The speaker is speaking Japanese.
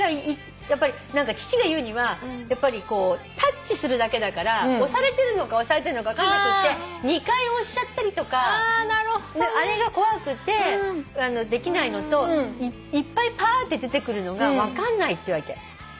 父が言うにはやっぱりタッチするだけだから押されてるのか分かんなくて２回押しちゃったりとかあれが怖くてできないのといっぱいぱって出てくるのが分かんないっていうわけ。